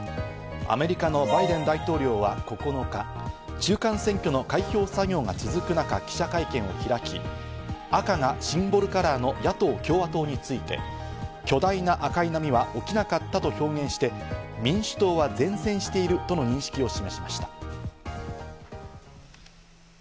アメリカのバイデン大統領は９日、中間選挙の開票作業が続く中、記者会見を開き、赤がシンボルカラーの野党・共和党について、「巨大な赤い波」は起きなかったと表現して、民主党は善戦しているとの認識を示しました。